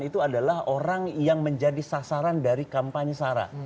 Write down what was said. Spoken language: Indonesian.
itu adalah orang yang menjadi sasaran dari kampanye sara